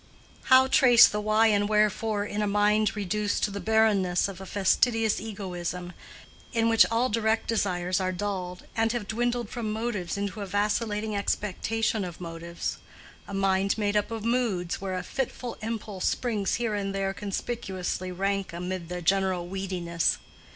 How trace the why and wherefore in a mind reduced to the barrenness of a fastidious egoism, in which all direct desires are dulled, and have dwindled from motives into a vacillating expectation of motives: a mind made up of moods, where a fitful impulse springs here and there conspicuously rank amid the general weediness?